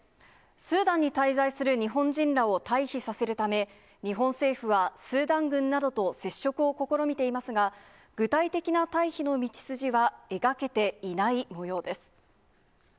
スーダンに滞在する日本人らを退避させるため、日本政府は、スーダン軍などと接触を試みていますが、具体的な退避の道筋は描けていないもようです。